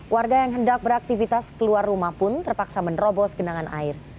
warga yang hendak beraktivitas keluar rumah pun terpaksa menerobos genangan air